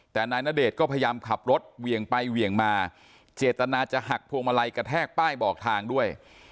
แต่นายณเดชน์ก็พยายามขับรถเหวี่ยงไปเหวี่ยงมาเจตนาจะหักพวงมาลัยกระแทกป้ายบอกทางด้วย